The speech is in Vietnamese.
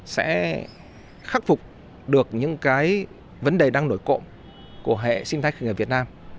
sẽ khắc phục được những cái vấn đề đang nổi cộng của hệ sinh thái khởi nghiệp việt nam